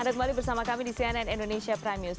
anda kembali bersama kami di cnn indonesia prime news